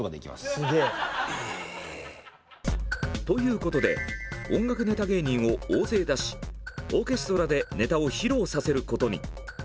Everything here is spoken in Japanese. ということで音楽ネタ芸人を大勢出しオーケストラでネタを披露させることに。